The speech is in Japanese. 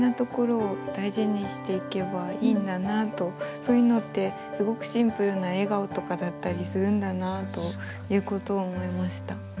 そういうのってすごくシンプルな笑顔とかだったりするんだなということを思いました。